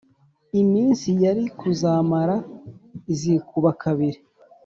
iminsi yari kuzamara izikuba kabiri.